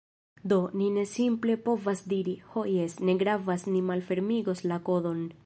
Do, ni ne simple povas diri, "Ho jes, ne gravas... ni malfermigos la kodon"